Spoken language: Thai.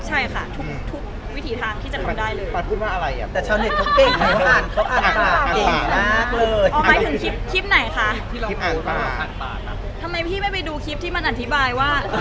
ใช่ค่ะทุกวิถีทางที่จะทำได้เลย